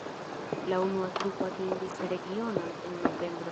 La unua trupo atingis regionon en novembro.